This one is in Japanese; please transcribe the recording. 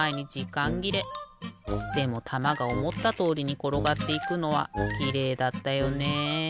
でもたまがおもったとおりにころがっていくのはきれいだったよね。